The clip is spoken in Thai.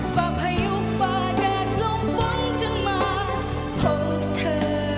ฝ่าพายุฝ่าแดดลมฝังจะมาพบเธอ